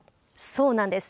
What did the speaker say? そうなんです。